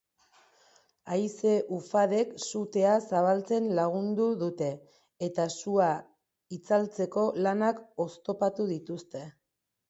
Haize-ufadek sutea zabaltzen lagundu dute eta sua itzaltzeko lanak oztopatu dituzte.